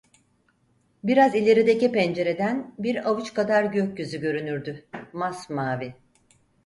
Biraz ilerideki pencereden bir avuç kadar gökyüzü görünürdü: Masmavi…